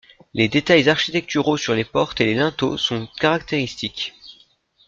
Les détails architecturaux sur les portes et les linteaux sont caractéristiques.